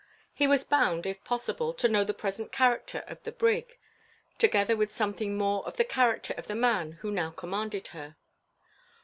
He was bound, if possible, to know the present character of the brig; together with something more of the character of the man who now commanded her.